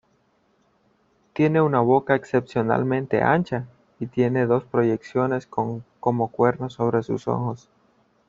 Tiene una boca excepcionalmente ancha, y tiene dos proyecciones como cuernos sobre sus ojos.